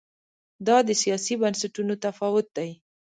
دا د سیاسي بنسټونو تفاوت دی.